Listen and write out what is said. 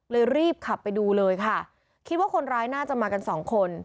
รีบขับไปดูเลยค่ะคิดว่าคนร้ายน่าจะมากันสองคน